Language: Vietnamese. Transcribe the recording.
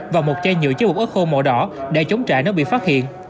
và một chai nhựa chế bục ớt khô màu đỏ để chống trại nó bị phát hiện